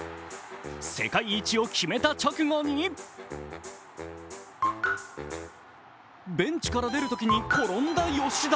世界一を決めた直後にベンチから出るときに転んだ吉田。